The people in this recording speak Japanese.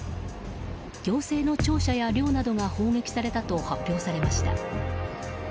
行政の庁舎や寮などが砲撃されたと発表されました。